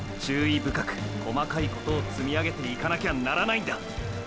深く細かいことを積み上げていかなきゃならないんだ！